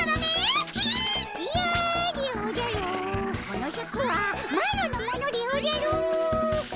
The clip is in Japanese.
このシャクはマロのものでおじゃる！